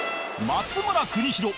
松村邦洋